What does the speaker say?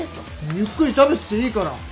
ゆっくり食べてていいから。